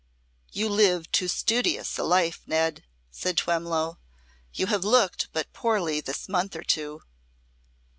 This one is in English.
"You live too studious a life, Ned," said Twemlow. "You have looked but poorly this month or two."